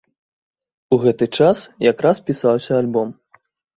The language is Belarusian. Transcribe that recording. У гэты час якраз пісаўся альбом.